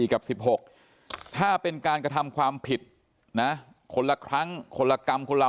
กับ๑๖ถ้าเป็นการกระทำความผิดนะคนละครั้งคนละกรรมคนละ